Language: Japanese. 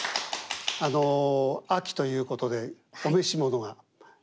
秋ということでお召し物が。